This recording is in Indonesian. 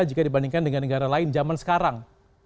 jika dibandingkan dengan negara lain zaman sekarang